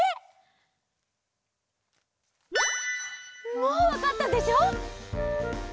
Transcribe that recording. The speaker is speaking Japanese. もうわかったでしょ？